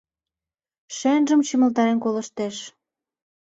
Шӧнжым чымалтарен колыштеш.